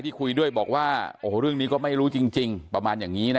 คุยด้วยบอกว่าโอ้โหเรื่องนี้ก็ไม่รู้จริงประมาณอย่างนี้นะ